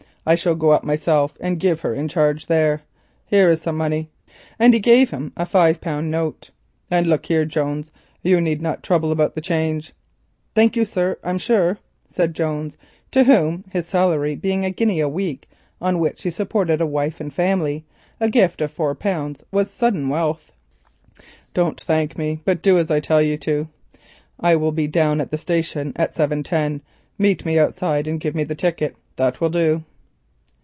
I shall go up myself and give her in charge there. Here is some money," and he gave him a five pound note, "and look here, Jones, you need not trouble about the change." "Thank you, sir, I'm sure," said Jones, to whom, his salary being a guinea a week, on which he supported a wife and family, a gift of four pounds was sudden wealth. "Don't thank me, but do as I tell you. I will be down at the station at 7.10. Meet me outside and give me the ticket. That will do."